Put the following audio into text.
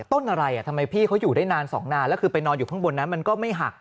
ต้นอะไรทำไมพี่เขาอยู่ได้นานสองนานแล้วคือไปนอนอยู่ข้างบนนั้นมันก็ไม่หัก